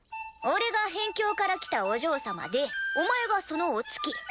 俺が辺境から来たお嬢様でお前がそのお付き。